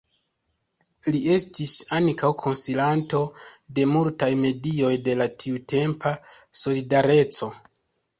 Li estis ankaŭ konsilanto de multaj medioj de la tiutempa Solidareco.